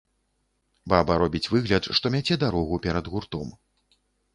Баба робіць выгляд, што мяце дарогу перад гуртом.